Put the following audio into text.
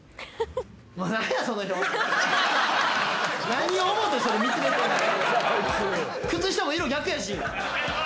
何を思てそれ見つめてんねん？